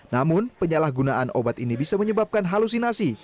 namun penyalahgunaan obat ini bisa menyebabkan halusinasi